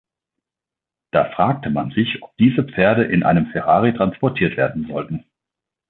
Da fragt man sich, ob diese Pferde in einem Ferrari transportiert werden sollten.